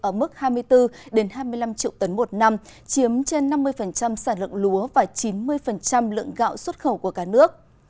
ở mức hai mươi bốn hai mươi năm triệu tấn một năm chiếm trên năm mươi sản lượng lúa và chín mươi lượng gạo xuất khẩu của cả nước